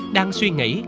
đang suy nghĩ